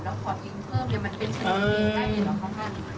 เดี๋ยวมันเป็นชนิดที่ใกล้เห็นหรือค่อนข้าง